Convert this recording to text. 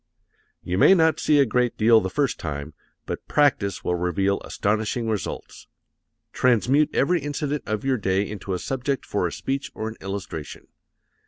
You may not see a great deal the first time, but practise will reveal astonishing results. Transmute every incident of your day into a subject for a speech or an illustration.